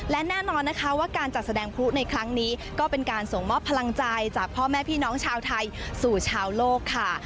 และแน่นอนนะคะว่าการจัดแสดงพลุในครั้งนี้ก็เป็นการส่งมอบพลังใจจากพ่อแม่พี่น้องชาวไทยสู่ชาวโลกค่ะ